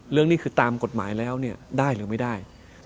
นี่คือตามกฎหมายแล้วเนี่ยได้หรือไม่ได้